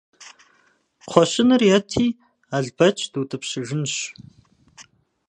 Кхъуэщыныр ети, Албэч дутӀыпщыжынщ.